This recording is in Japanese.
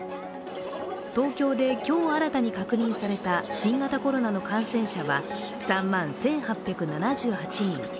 東京で今日新たに確認された新型コロナの感染者は３万１８７８人。